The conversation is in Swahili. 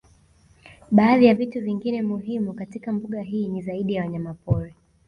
Baadhi ya vitu vingine muhimu katika mbuga hii ni zaidi ya wanyamapori